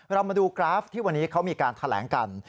เรามาดูกราฟที่วันนี้เขามีการแถลงกัน